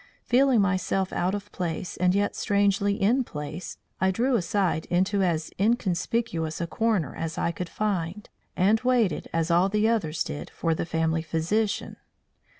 Feeling myself out of place and yet strangely in place, I drew aside into as inconspicuous a corner as I could find, and waited as all the others did, for the family physician.